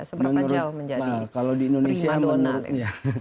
seberapa jauh menjadi prima donat